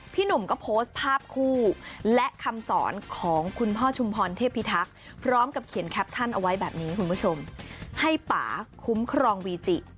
หนุ่มก็โพสต์ภาพคู่และคำสอนของคุณพ่อชุมพรเทพิทักษ์พร้อมกับเขียนแคปชั่นเอาไว้แบบนี้คุณผู้ชมให้ป่าคุ้มครองวีจิ